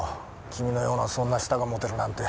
君のようなそんな舌が持てるなんて。